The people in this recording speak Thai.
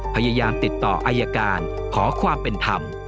พยายามติดต่ออายการขอความเป็นธรรม